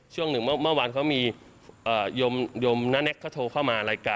ช่วงหนึ่งเมื่อวานเขามียมน้าแน็กเขาโทรเข้ามารายการ